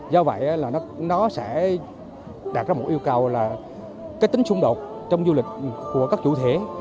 do vậy là nó sẽ đạt ra một yêu cầu là cái tính xung đột trong du lịch của các chủ thể